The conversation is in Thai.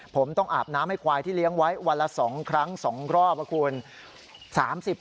ผมต้องอาบน้ำให้ควายที่เลี้ยงไว้วันละ๒ครั้ง๒รอบนะคุณ